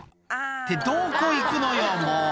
「ってどこ行くのよもう」